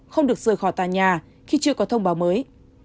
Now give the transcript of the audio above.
không được rời khỏi tòa nhà khi chưa có thông báo mới